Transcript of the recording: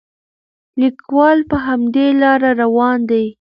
لیکوال په همدې لاره روان دی.